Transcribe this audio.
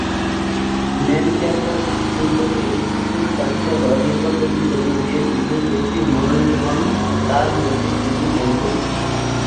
Manchester বিশ্ববিদ্যালয়ের নতুন chancellor নির্বাচনের জন্য যে দুজন ব্যক্তি মনোনিত হন, তার মধ্যে তিনি একজন।